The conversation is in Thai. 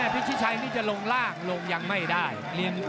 พิชิชัยนี่จะลงล่างลงยังไม่ได้